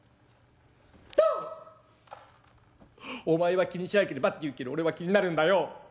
「お前は『気にしなければ』って言うけど俺は気になるんだよ。